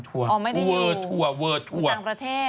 อ้อไม่ได้อยู่ออกต่างประเทศ